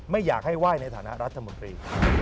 ไม่อยากให้ไหว้ในฐานะรัฐมนตรี